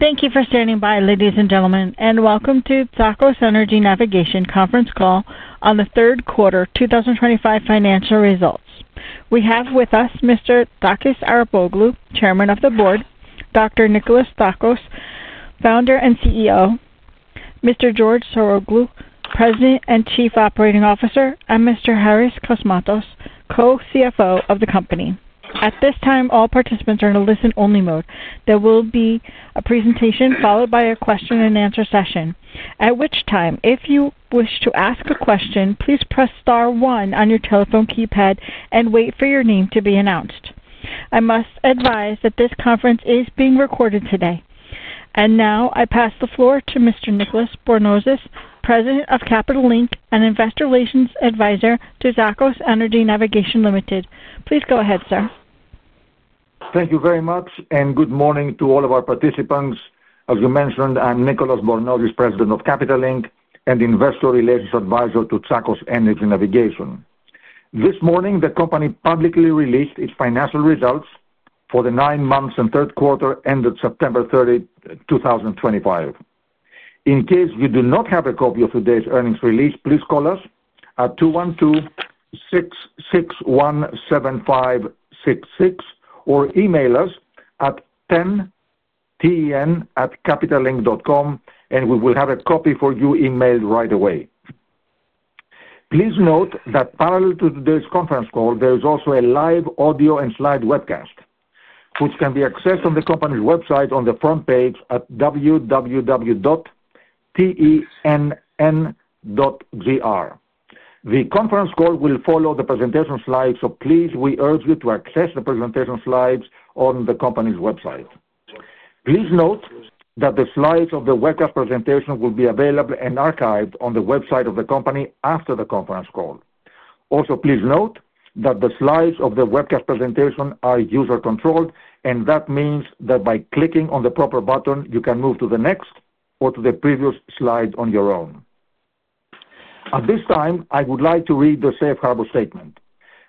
Thank you for standing by, ladies and gentlemen, and welcome to Tsakos Energy Navigation conference call on the third quarter 2025 financial results. We have with us Mr. Takis Arapoglou, Chairman of the Board, Dr. Nikolas Tsakos, Founder and CEO, Mr. George Saroglou, President and Chief Operating Officer, and Mr. Harrys Kosmatos, Co-CFO of the Company. At this time, all participants are in a listen only mode. There will be a presentation followed by a question and answer session at which time if you wish to ask a question, please press Star one on your telephone keypad and wait for your name to be announced. I must advise that this conference is being recorded today. Now I pass the floor to Mr. Nicolas Bornozis, President of Capital Link and Investor Relations Advisor to Tsakos Energy Navigation Ltd Please go ahead, sir. Thank you very much and good morning to all of our participants. As we mentioned, I'm Nicolas Bornozis, President of Capital Link and Investor Relations Advisor to Tsakos Energy Navigation. This morning the company publicly released its financial results for the nine months and third quarter ended September 30, 2025. In case you do not have a copy of today's earnings release, please call us at 212-661-7566 or email us at ten@capitalink.com and we will have a copy for you emailed right away. Please note that parallel to today's conference call there is also a live audio and slide webcast which can be accessed on the company's website on the front page at www.tenn.gr. The conference call will follow the presentation slides, so please we urge you to access the presentation slides on the company's website. Please note that the slides of the webcast presentation will be available and archived on the website of the company after the conference call. Also, please note that the slides of the webcast presentation are user controlled and that means that by clicking on the proper button you can move to the next or to the previous slide on your own. At this time I would like to read the Safe Harbor Statement.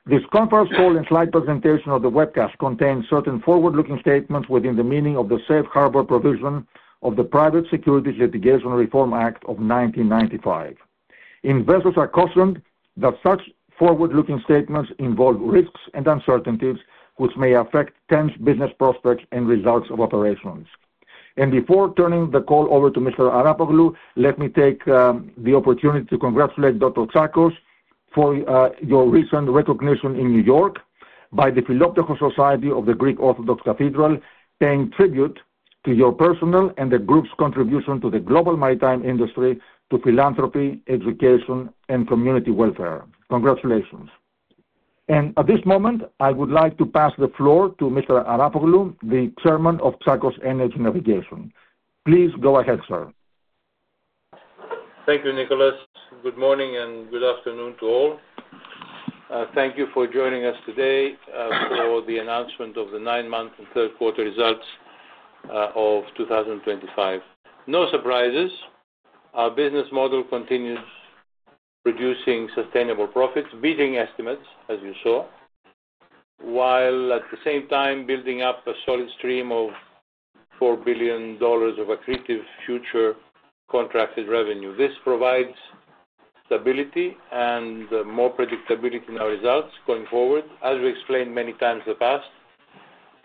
This conference call and slide presentation of the webcast contains certain forward looking statements within the meaning of the Safe Harbor provision of the Private Securities Litigation Reform Act of 1995. Investors are cautioned that such forward looking statements involve risks and uncertainties which may affect TEN's business prospects and results of operations. Before turning the call over to Mr. Arapoglou, let me take the opportunity to congratulate Dr. Tsakos, for your recent recognition in New York by the Philoptochos Society of the Greek Orthodox Cathedral, paying tribute to your personal and the group's contribution to the global maritime industry, to philanthropy, education, and community welfare. Congratulations. At this moment I would like to pass the floor to Mr. Arapoglou, the Chairman of Tsakos Energy Navigation. Please go ahead, sir. Thank you, Nicholas. Good morning and good afternoon to all. Thank you for joining us today for the announcement of the nine month and third quarter results of 2025. No surprises. Our business model continues producing sustainable profits, beating estimates as you saw, while at the same time building up a solid stream of $4 billion of accretive future contracted revenue. This provides stability and more predictability in our results going forward, as we explained many times in the past,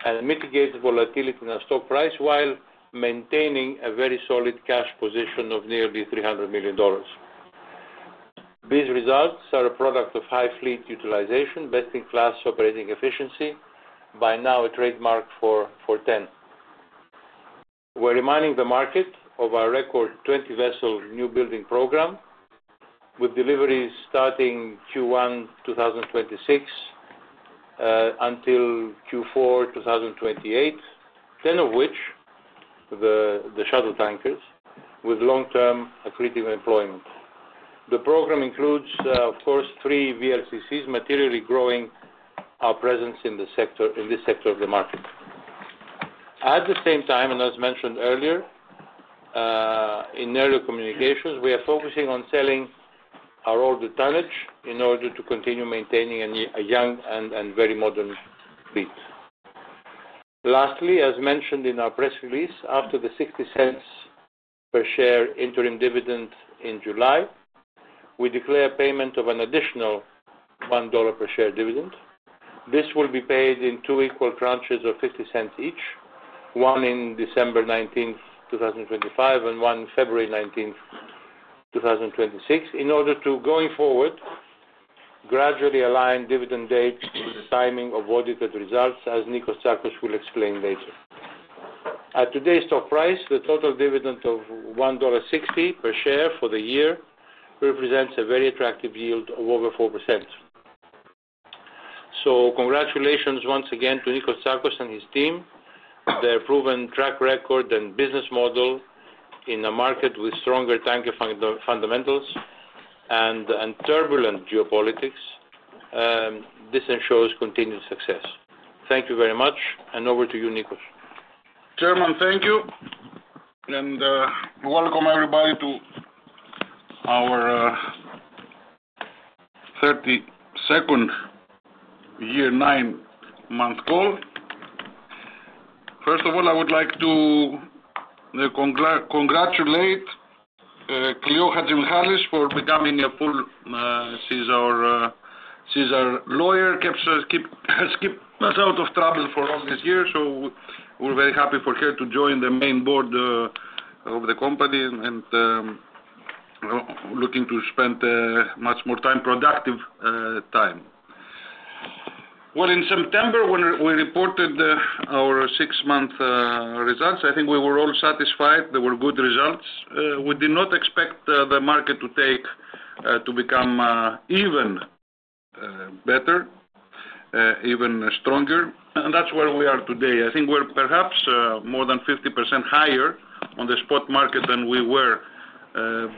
and mitigates volatility in our stock price while maintaining a very solid cash position of nearly $300 million. These results are a product of high fleet utilization, best in class operating efficiency by now a trademark for TEN. We're reminding the market of our record 20 vessel new building program with deliveries starting Q1 2026 until Q4 2028, 10 of which the shuttle tankers with long term accretive employment. The program includes of course three VLCCs materially growing our presence in this sector of the market. At the same time and as mentioned earlier in earlier communications, we are focusing on selling our older tonnage in order to continue maintaining a young and very modern fleet. Lastly, as mentioned in our press release, after the $0.60 per share interim dividend in July we declare payment of an additional $1 per share dividend. This will be paid in equal tranches of $0.50 each, one in December 19, 2025 and one February 19, 2026. In order to, going forward, gradually align dividend dates with the timing of audited results. As Nikos Tsakos will explain later, at today's stock price, the total dividend of $1.60 per share for the year represents a very attractive yield of over 4%. Congratulations once again to Nikos Tsakos and his team, their proven track record and business model. In a market with stronger tanker fundamentals and turbulent geopolitics, this ensures continued success. Thank you very much and over to you, Nikos. Chairman. Thank you and welcome everybody to our 32nd year nine month call. First of all, I would like to congratulate Clio Hatzimichalis for becoming a full. She's our lawyer, has kept us out of trouble for all this year. So we're very happy for her to join the main board of the company and looking to spend much more time, productive time. In September when we reported our six month results, I think we were all satisfied. There were good results. We did not expect the market to take to become even better, even stronger. That is where we are today. I think we're perhaps more than 50% higher on the spot market than we were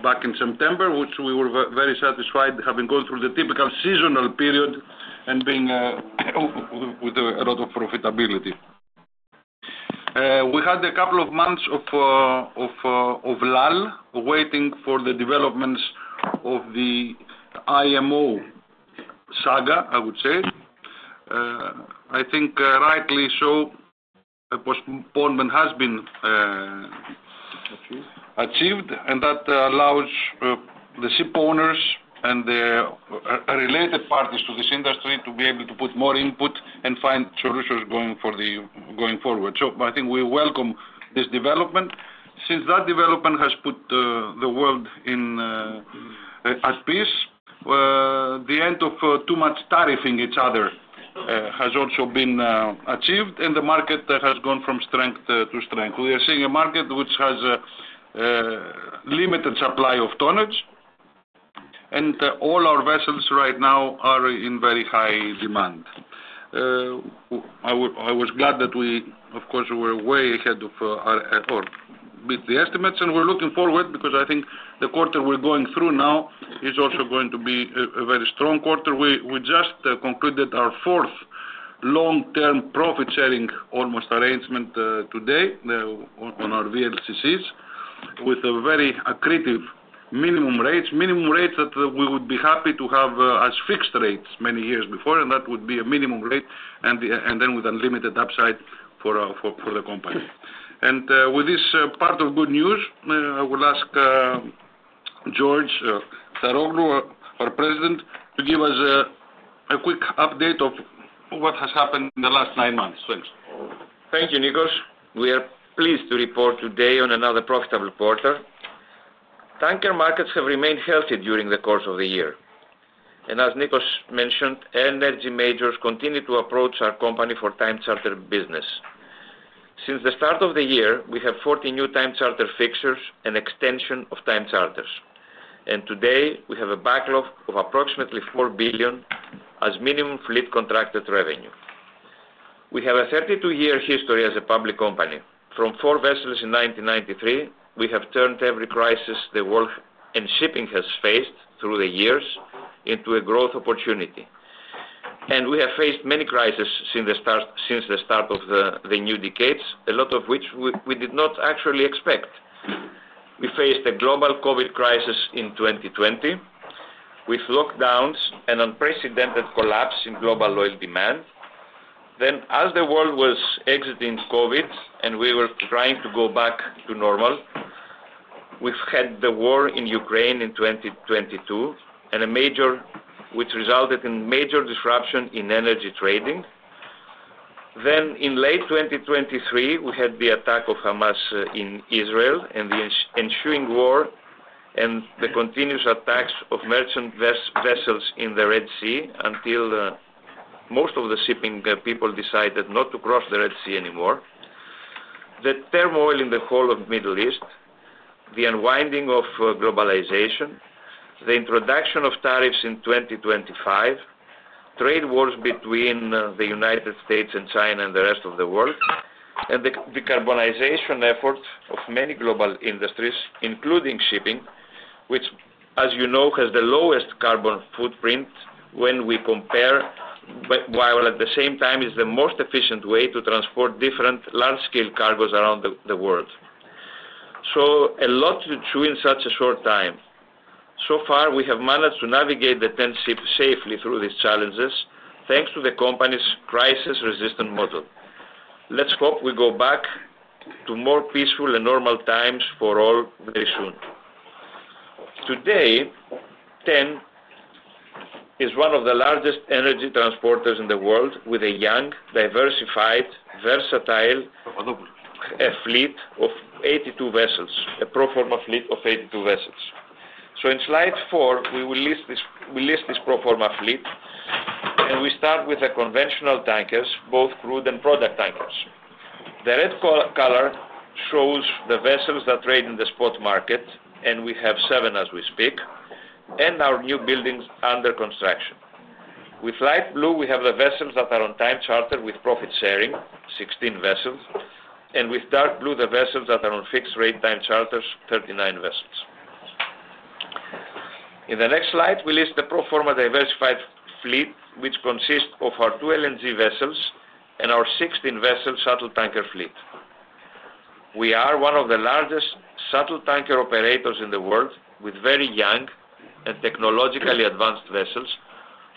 back in September, which we were very satisfied. Having gone through the typical seasonal period and being with a lot of profitability. We had a couple of months of LAL waiting for the developments of the IMO saga. I would say I think rightly so, postponement has been achieved and that allows the ship owners and the related parties to this industry to be able to put more input and find solutions going forward. I think we welcome this development. Since that development has put the world at peace. The end of too much tariffing each other has also been achieved and the market has gone from strength to strength. We are seeing a market which has limited supply of tonnage and all our vessels right now are in very high demand. I was glad that we of course were way ahead of our or beat the estimates and we're looking forward because I think the quarter we're going through now is also going to be a very strong quarter. We just concluded our fourth long-term profit sharing almost arrangement today on our VLCCs with very accretive minimum rates. Minimum rates that we would be happy to have as fixed rates many years before and that would be a minimum rate and then with unlimited upside for the company. With this part of good news I will ask George Saroglou, our President, to give us a quick update of what has happened in the last nine months. Thanks. Thank you Nikos. We are pleased to report today on another profitable quarter. Tanker markets have remained healthy during the course of the year and as Nikos mentioned, energy majors continue to approach our company for time charter business. Since the start of the year we have 40 new time charter fixtures and extension of time charters. Today we have a backlog of approximately $4 billion as minimum fleet contracted revenue. We have a 32 year history as a public company. From four vessels in 1993. We have turned every crisis the world and shipping has faced through the years into a growth opportunity. We have faced many crises since the start of the new decades, a lot of which we did not actually expect. We faced a global Covid crisis in 2020 with lockdowns and unprecedented collapse in global oil demand. As the world was exiting Covid and we were trying to go back to normal, we had the war in Ukraine in 2022 which resulted in major disruption in energy trading. In late 2023 we had the attack of Hamas in Israel and the ensuing and the continuous attacks of merchant vessels in the Red Sea until most of the shipping people decided not to cross the Red Sea anymore. The turmoil in the whole of the Middle East, the unwinding of globalization, the introduction of tariffs in 2025, trade wars between the United States and China and the rest of the world, and the decarbonization efforts of many global industries including shipping, which as you know has the lowest carbon footprint when we compare, while at the same time is the most efficient way to transport different large scale cargoes around the world. A lot to chew in such a short time. So far we have managed to navigate the TEN ship safely through these challenges thanks to the company's crisis resistant model. Let's hope we go back to more peaceful and normal times for all very soon. Today TEN is one of the largest energy transporters in the world with a young diversified versatile fleet of 82 vessels. A pro forma fleet of 82 vessels. In slide 4 we list this pro forma fleet and we start with the conventional tankers, both crude and product tankers. The red color shows the vessels that trade in the spot market and we have seven as we speak and our new buildings under construction. With light blue we have the vessels that are on time charter with profit sharing, 16 vessels, and with dark blue the vessels that are on fixed rate. Time charters 39 vessels. In the next slide we list the pro forma diversified fleet, which consists of our two LNG vessels and our 16 vessel shuttle tanker fleet. We are one of the largest shuttle tanker operators in the world with very young and technologically advanced vessels.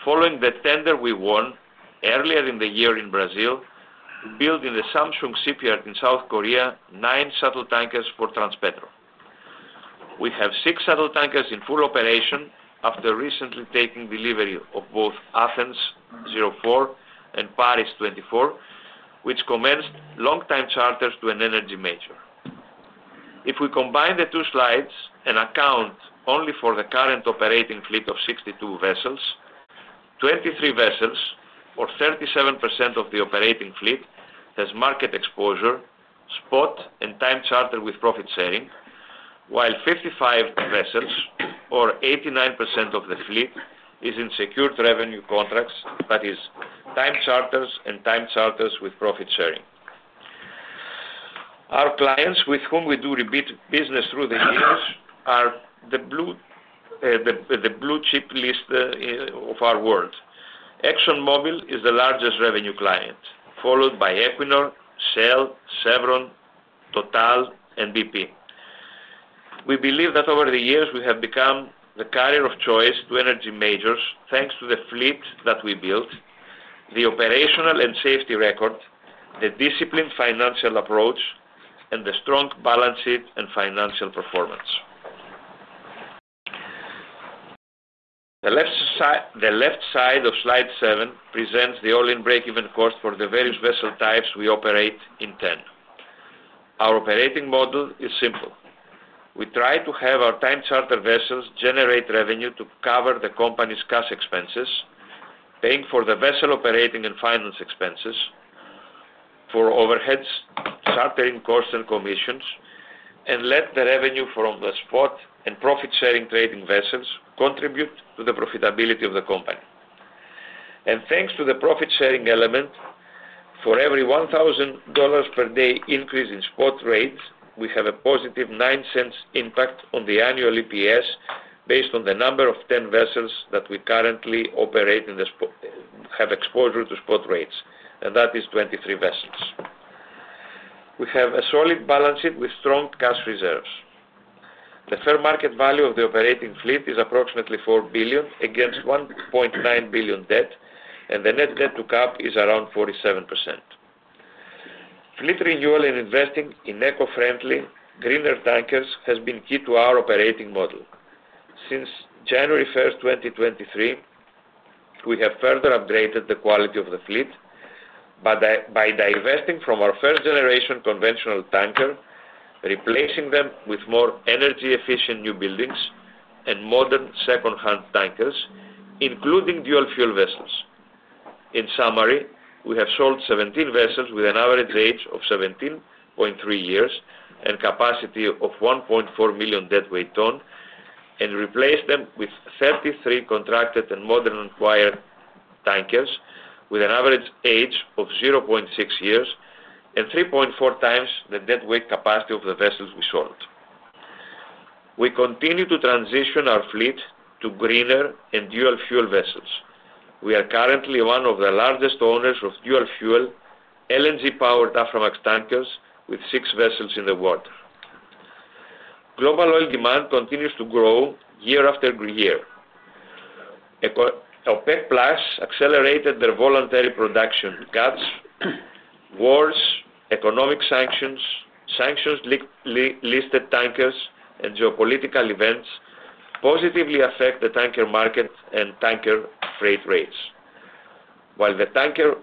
Following the tender we won earlier in the year in Brazil, built in the Samsung shipyard in South Korea, north nine shuttle tankers for Transpetro, we have six shuttle tankers in full operation after recently taking delivery of both Athens 04 and Paris 24, which commenced long time charters to an energy major. If we combine the two slides and account only for the current operating fleet of 62 vessels, 23 vessels or 37% of the operating fleet has market exposure spot and time charter with profit sharing while 55 vessels or 89% of the fleet is in secured revenue contracts, that is time charters and time charters with profit sharing. Our clients with whom we do repeat business through the years are the blue chip list of our world. ExxonMobil is the largest revenue client followed by Equinor, Shell, Chevron, TotalEnergies and bp. We believe that over the years we have become the carrier of choice to energy majors. Thanks to the fleet that we built, the operational and safety record, the disciplined financial approach and the strong balance sheet and financial performance. The left side of slide seven presents the all-in breakeven cost for the various vessel types we operate in. Our operating model is simple. We try to have our time charter vessels generate revenue to cover the company's cash expenses, paying for the vessel operating and finance expenses, for overheads, shuttering costs, and commissions, and let the revenue from the spot and profit sharing trading vessels contribute to the profitability of the company. Thanks to the profit sharing element, for every $1,000 per day increase in spot rates, we have a positive $0.09 impact on the annual EPS based on the number of TEN vessels that we currently operate that have exposure to spot rates, and that is 23 vessels. We have a solid balance sheet with strong cash reserves. The fair market value of the operating fleet is approximately $4 billion against $1.9 billion debt and the net debt to CAP is around 47%. Fleet renewal and investing in eco friendly greener tankers has been key to our operating model. Since January 1st, 2023 we have further upgraded the quality of the fleet by divesting from our first generation conventional tanker, replacing them with more energy efficient new buildings and modern secondhand tankers including dual fuel vessels. In summary, we have sold 17 vessels with an average age of 17.3 years and capacity of 1.4 million deadweight ton and replaced them with 33 contracted and modern acquired tankers with an average age of 0.6 years and 3.4 times the net weight capacity of the vessels we sold. We continue to transition our fleet to greener and dual fuel vessels. We are currently one of the largest owners of dual-fuel LNG powered Aframax tankers with six vessels in the water. Global oil demand continues to grow year after year. OPEC+ accelerated their voluntary production cuts, wars, economic sanctions, sanctions-listed tankers, and geopolitical events positively affect the tanker market and tanker freight rates. While the tanker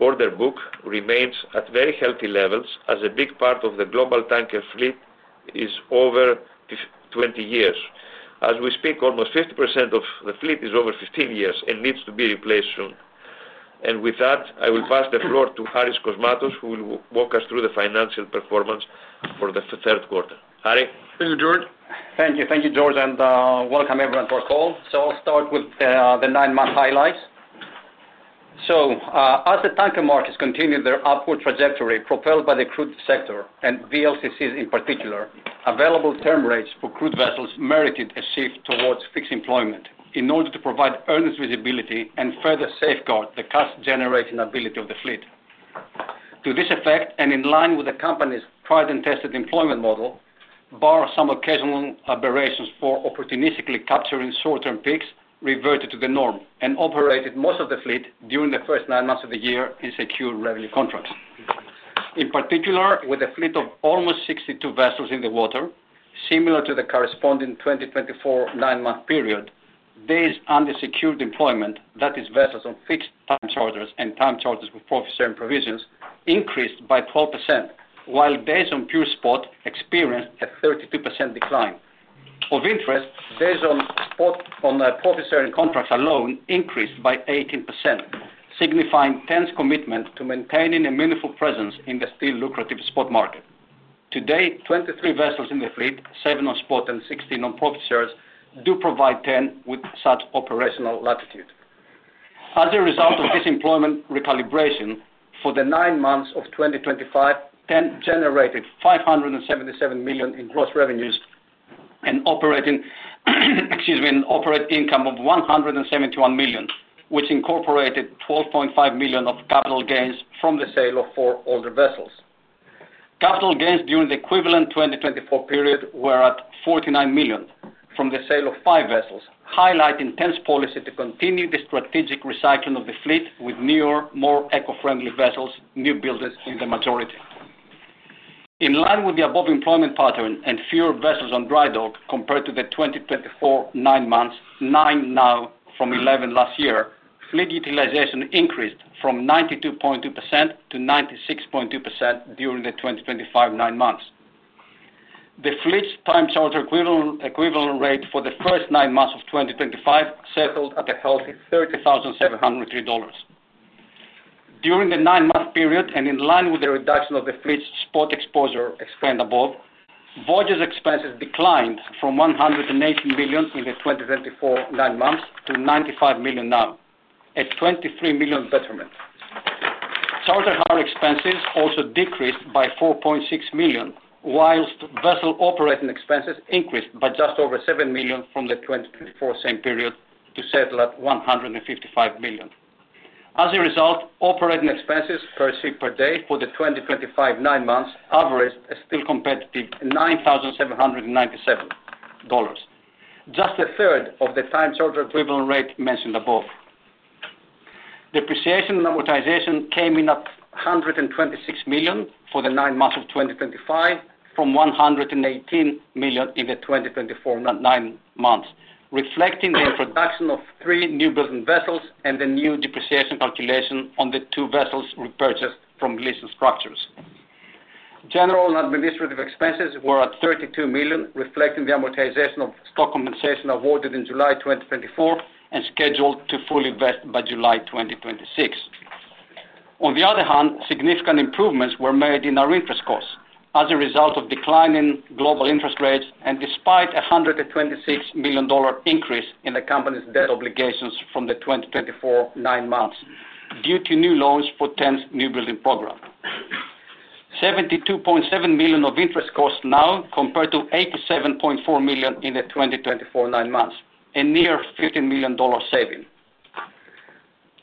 order book remains at very healthy levels as a big part of the global tanker fleet is over 20 years as we speak, almost 50% of the fleet is over 15 years and needs to be replaced soon. With that I will pass the floor to Harrys Kosmatos who will walk us through the financial performance for the third quarter. Harry? Thank you George. Thank you, thank you George and welcome everyone to our call. I'll start with the nine month highlights. As the tanker markets continue their upward trajectory propelled by the crude sector and VLCCs in particular, available term rates for crude vessels merited a shift towards fixed employment in order to provide earnest visibility and further safeguard the cost generating ability of the fleet. To this effect and in line with the company's tried and tested employment model, bar some occasional aberrations for opportunistically capturing short term peaks, reverted to the norm and operated most of the fleet during the first nine months of the year in secure revenue contracts. In particular, with a fleet of almost 62 vessels in the water, similar to the corresponding 2024 nine month period, these undersecured employment I.e. Vessels on fixed time charters and time charters with profit sharing provisions increased by 12% while based on pure spot experienced a 32% decline of interest. Based on spot on profit sharing contracts alone increased by 18%, signifying TEN's commitment to maintaining a meaningful presence in the still lucrative spot market. Today, 23 vessels in the fleet, 7 on spot and 16 on profit shares, do provide TEN with such operational latitude. As a result of this employment recalibration, for the nine months of 2025 TEN generated $577 million in gross revenues and, operating, excuse me, an operating income of $171 million, which incorporated $12.5 million of capital gains from the sale of four older vessels. Capital gains during the equivalent 2024 period were at $49 million from the sale of five vessels. Highlight intense policy to continue the strategic recycling of the fleet with newer, more eco-friendly vessels, new builders in the majority in line with the above employment pattern, and fewer vessels on dry dock compared to the 2024 nine months, nine now from 11 last year. Fleet utilization increased from 92.2% to 96.2% during the 2025 nine months. The fleet time charter equivalent rate for the first nine months of 2025 settled at a healthy $30,703 during the nine month period, and in line with the reduction of the fleet spot exposure explained above, voyage expenses declined from $180 million in the 2024 nine months to $95 million now at $23 million. Betterment. Charterhouse expenses also decreased by $4.6 million whilst vessel operating expenses increased by just over $7 million from the 2024 same period to settle at $155 million. As a result, operating expenses per ship per day for the 2025 nine months averaged a still competitive $9,797. Just a. Third of the Time Charter Equivalent rate mentioned above. Depreciation and amortization came in at $126 million for the ninth month of 2025 from $118 million in the 2024 ninth month, reflecting the introduction of three newbuilding vessels and the new depreciation calculation on the two vessels repurchased from leasing structures. General and administrative expenses were at $32 million, reflecting the amortization of stock compensation awarded in July 2024 and scheduled to fully vest by July 2026. On the other hand, significant improvements were made in our interest costs as a result of declining global interest rates and despite a $126 million increase in the company's debt obligations from the 2024 nine months due to new loans for TEN's new building program. $72.7 million of interest costs now compared to $87.4 million in the 2024 nine months, a near $15 million saving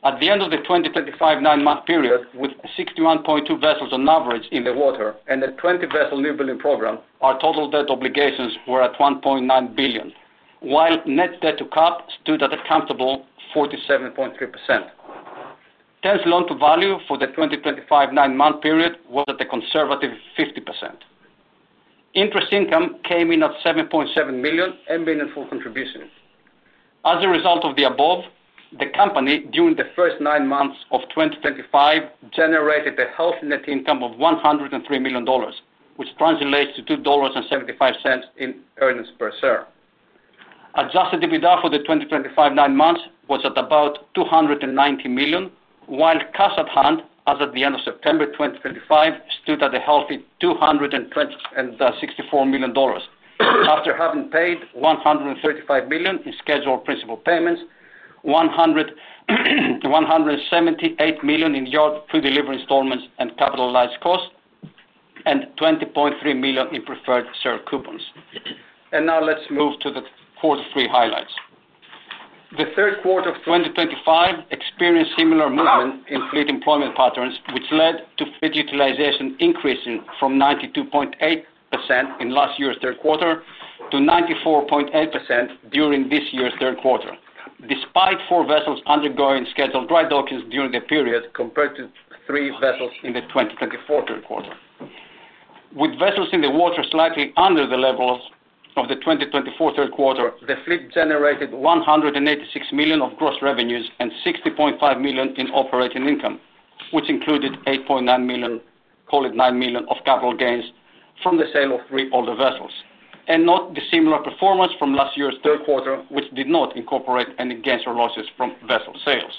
at the end of the 2025 nine month period. With 61.2 vessels on average in the water and the 20 vessel new building program, our total debt obligations were at $1.9 billion, while net debt to CAP stood at a comfortable 47.3%. TEN's loan to value for the 2025 nine month period was at a conservative 50%. Interest income came in at $7.7 million and been in full contribution. As a result of the above, the company during the first nine months of 2025 generated a healthy net income of $103 million, which translates to $2.75 in earnings per share. Adjusted EBITDA for the 2025 nine months was at about $290 million, while cash at hand as at the end of September 2025 stood at a healthy $264 million after having paid $135 million in scheduled principal payments, $178 million in yard food delivery installments and capitalized cost, and $20.3 million in preferred share coupons. Now let's move to the quarter three Highlights. the third quarter of 2025 experienced similar movement in fleet employment patterns, which led to fleet utilization increasing from 92.8% in last year's third quarter to 94.8% during this year's third quarter. Despite four vessels undergoing scheduled dry dockings during the period compared to three vessels in the 2024 third quarter. With vessels in the water slightly under the level of the 2024 third quarter, the fleet generated $186 million of gross revenues and $60.5 million in operating income, which included $8.9 million, call it $9 million, of capital gains from the sale of three older vessels and note the similar performance from last year's third quarter which did not incorporate any gains or losses from vessel sales.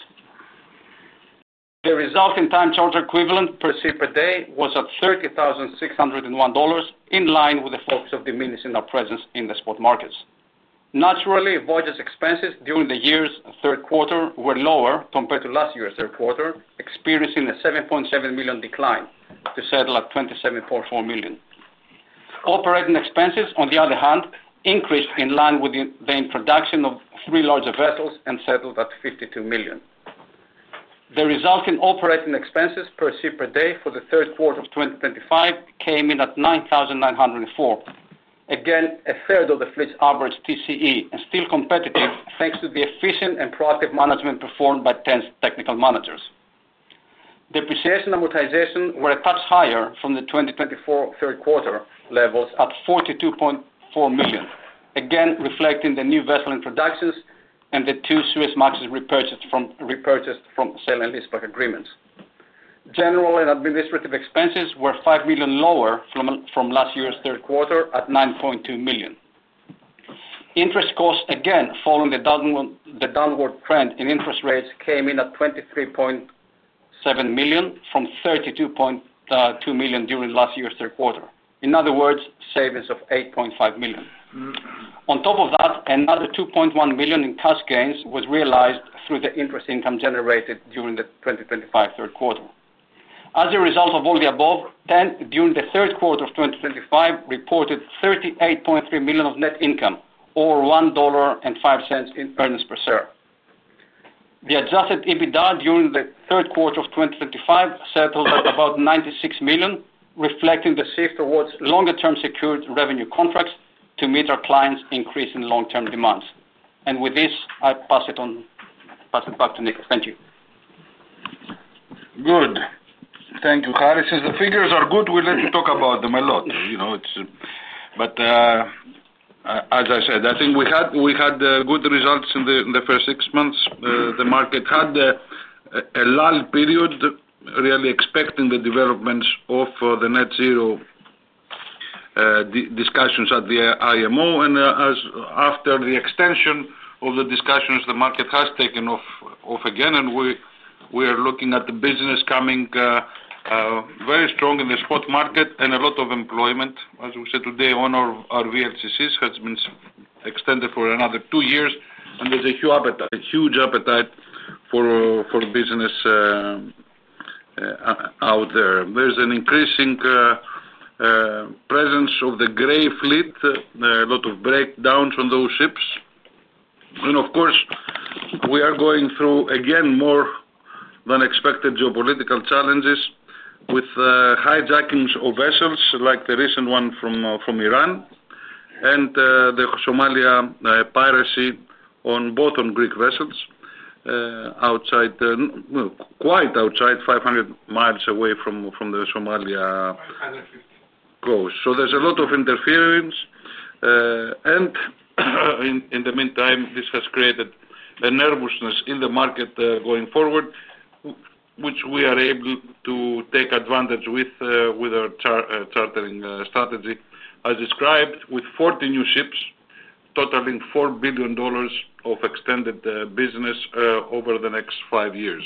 The resulting time charter equivalent per se per day was at $30,601 in line with the focus of diminishing our presence in the spot markets. Naturally, voyage expenses during the year's third quarter were lower compared to last year's third quarter, experiencing a $7.7 million decline to settle at $27.4 million. Operating expenses, on the other hand, increased in line with the introduction of three larger vessels and settled at $52 million. The resulting operating expenses per se per day for the third quarter of 2025 came in at $9,904, again a third of the fleet's average TCE and still competitive thanks to the efficient and productive management performed by ten technical managers. Depreciation, amortization were a touch higher from the 2024 third quarter levels at $42.4 million, again reflecting the new vessel introductions and the two Suezmax repurchased from sale and leaseback agreements. General and administrative expenses were $5 million lower from last year's third quarter at $9.2 million. Interest costs, again following the downward trend in interest rates, came in at $23.7 million from $32.2 million during last year's third quarter. In other words, savings of $8.5 million. On top of that, another $2.1 million in cash gains was realized through the interest income generated during the 2025 third quarter. As a result of all the above, during the third quarter of 2025 reported $38.3 million of net income, or $1.05 in earnings per share. The adjusted EBITDA during the third quarter of 2025 settled at about $96 million, reflecting the shift towards longer term secured revenue contracts to meet our clients increasing long term demands. With this I pass it on. Pass it back to Nikos. Thank you. Good. Thank you, Harrys. Since the figures are good, we'd like to talk about them a lot, you know, but as I said, I think we had good results in the first six months. The market had a lulled period, really expecting the developments of the net zero discussions at the IMO. After the extension of the discussions, the market has taken off again and we are looking at the business coming very strong in the spot market and a lot of employment as we said today on our VLCC has been extended for another two years and there's a huge appetite for business out there. There's an increasing presence of the gray fleet, a lot of breakdowns on those ships and of course we are going through again more than expected geopolitical challenges with hijackings of vessels like the recent one from Iran and the Somalia piracy on both on Greek vessels outside, quite outside 500 mi away from the Somalia coast. There is a lot of interference. In the meantime, this has created a nervousness in the market going forward, which we are able to take advantage of with our chartering strategy as described with 40 new ships totaling $4 billion of extended business over the next five years.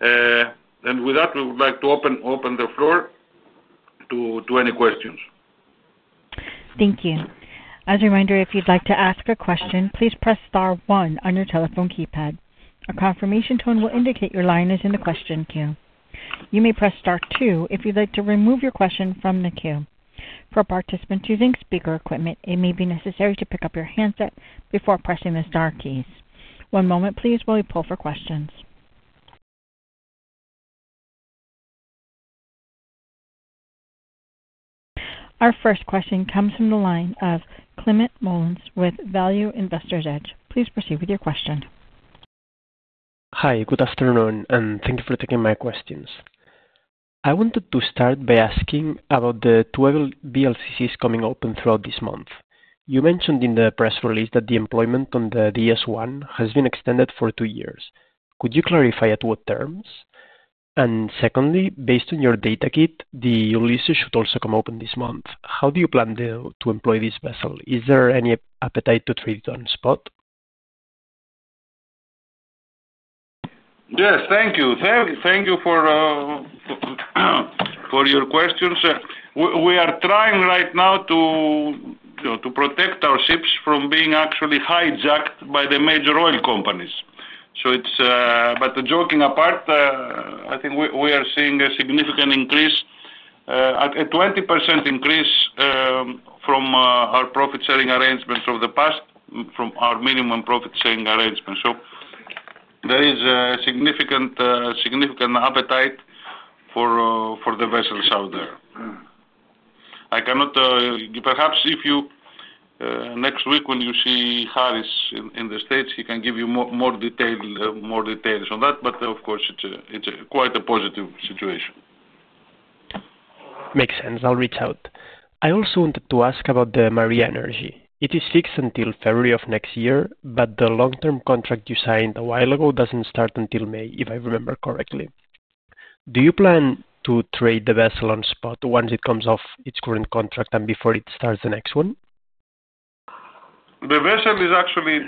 With that, we would like to open the floor to any questions. Thank you. As a reminder, if you'd like to ask a question, please press star one on your telephone keypad. A confirmation tone will indicate your line is in the question queue. You may press star two if you'd like to remove your question from the queue. For participants using speaker equipment, it may be necessary to pick up your handset before pressing the star keys. One moment please, while we pull for questions. Our first question comes from the line of Clement Mullins with Value Investors Edge. Please proceed with your question. Hi, good afternoon and thank you for taking my questions. I wanted to start by asking about the 12 VLCCs coming open throughout this month. You mentioned in the press release that the employment on the DS1 has been extended for two years. Could you clarify at what terms? Secondly, based on your data kit, the Ulysses should also come open this month. How do you plan to employ this vessel? Is there any appetite to treat it on spot? Yes, thank you. Thank you for your questions. We are trying right now to protect our ships from being actually hijacked by the major oil companies. Joking apart, I think we are seeing a significant increase, a 20% increase from our profit sharing arrangements of the past from our minimum profit sharing arrangement. There is a significant, significant appetite for the vessels out there. I cannot. Perhaps if you next week when you see Harrys in the States, he can give you more detail, more details on that. Of course it's quite a positive situation. Makes sense. I'll reach out. I also wanted to ask about the Maria Energy. It is fixed until February of next year, but the long term contract you signed a while ago doesn't start until May, if I remember correctly. Do you plan to trade the vessel on spot once it comes off its current contract and before it starts the next one? The vessel is actually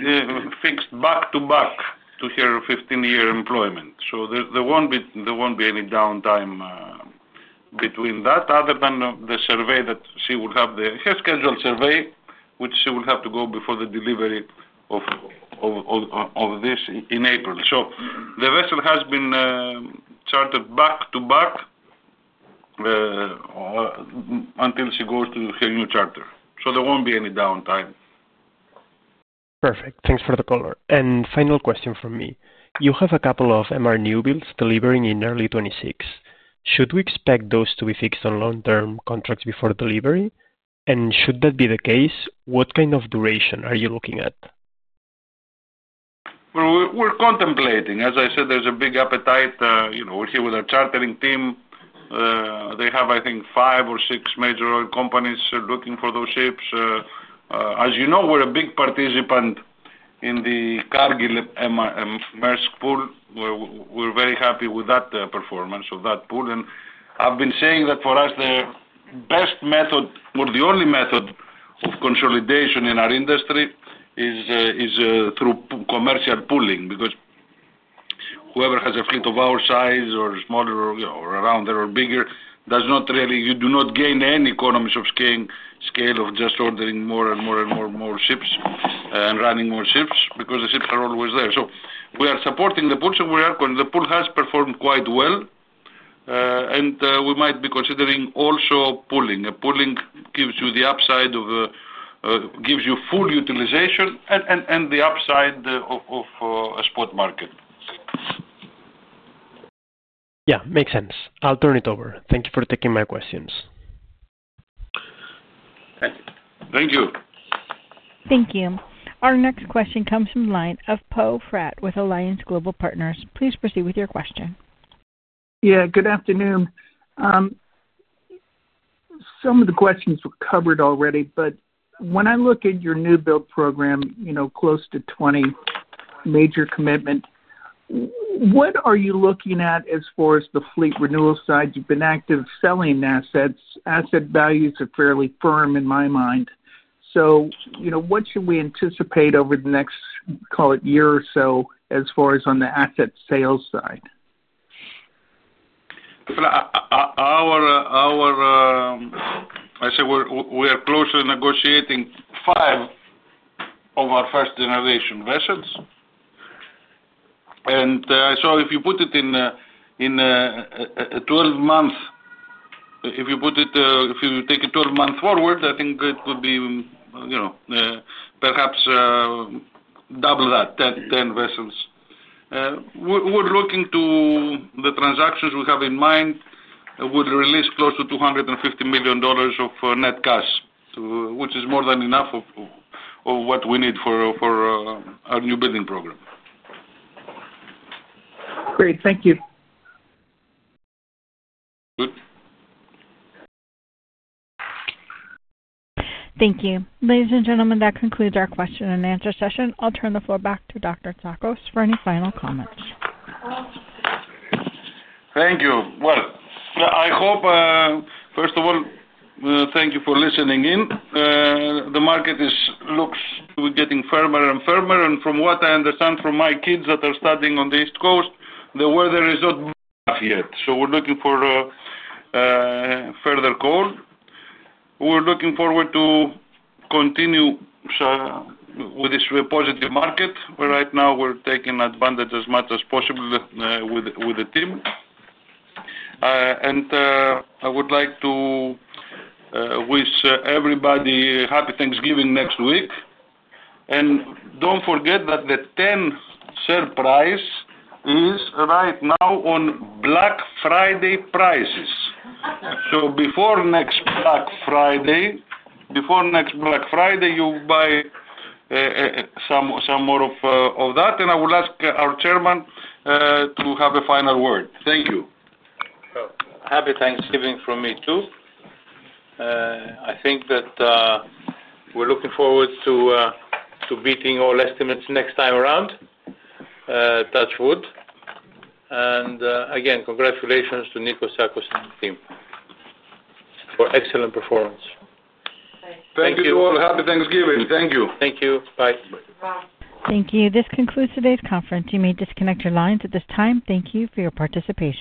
fixed back to. Back to her 15 year employment. There won't be any downtime between that other than the survey that she would have scheduled. Survey which she will have to go before the delivery of this in April. The vessel has been chartered back to back until she goes to her new charter. There won't be any downtime. Perfect. Thanks for the color. Final question from me. You have a couple of MR new builds delivering in early 2026. Should we expect those to be fixed on long-term contracts before delivery and should that be the case? What kind of duration are you looking at? We're contemplating. As I said, there's a big appetite. You know, we're here with our chartering team. They have, I think, five or six major oil companies looking for those ships. As you know, we're a big participant in the Cargill Maersk pool. We're very happy with that performance of that pool. I've been saying that for us the best method or the only method of consolidation in our industry is through commercial pooling. Because whoever has a fleet of ours. Size or smaller or around there or bigger does not really. You do not gain any economies of scale of just ordering more and more and more ships and running more ships because the ships are always there. We are supporting the pools and we are going. The pool has performed quite well and we might be considering also pooling. Pooling gives you the upside of, gives you full utilization and the upside of a spot market. Yeah, makes sense. I'll turn it over. Thank you for taking my questions. Thank you. Thank you. Our next question comes from the line of Poe Fratt with Alliance Global Partners with your question. Yeah, good afternoon. Some of the questions were covered already but when I look at your new build program, you know, close to 20 major commitment. What are you looking at as far as the fleet renewal side? You've been active selling assets. Asset values are fairly firm in my mind. You know, what should we anticipate over the next, call it, year or so as far as on the asset. Sales side. We are closely negotiating five of our first generation vessels. If you put it in 12 months, if you take it 12 months forward, I think it would be, you know, perhaps double that, 10 vessels. We're looking to the transactions we have in mind would release close to $250 million of net cash, which is more than enough of what we need for our new building program. Great. Thank you. Good. Thank you. Ladies and gentlemen, that concludes our question and answer session. I'll turn the floor back to Dr. Tsakos for any final comments. Thank you. I hope first of all, thank you for listening in. The market looks getting firmer and firmer and from what I understand from my kids that are studying on the East Coast, the weather is not bad, so we're looking for further call. We're looking forward to continue with this positive market. Right now, we're taking advantage as much as possible with the team. I would like to wish everybody happy Thanksgiving next week. Do not forget that the TEN surprise is right now on Black Friday prices. Before next Black Friday, you buy some more of that, and I will ask our Chairman to have a final word. Thank you. Happy Thanksgiving from me, too. I think that we're looking forward to beating all estimates next time around. Touch wood. Again, congratulations to Nikolas Tsakos and his team for excellent performance. Thank you to all. Happy Thanksgiving. Thank you. Thank you. Bye. Thank you. This concludes today's conference. You may disconnect your lines at this time. Thank you for your participation.